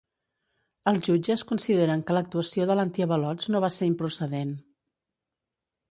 Els jutges consideren que l’actuació de l’antiavalots no va ser improcedent.